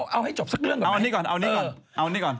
เอาให้จบสักเรื่องก่อนไหม